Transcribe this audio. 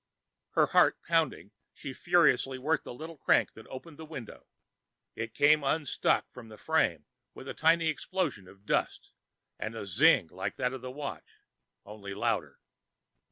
Her heart pounding, she furiously worked the little crank that opened the window. It came unstuck from the frame with a tiny explosion of dust and a zing like that of the watch, only louder.